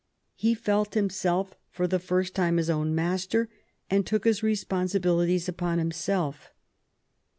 He felt himself for the first time his own master, and took his responsibilities upon himself.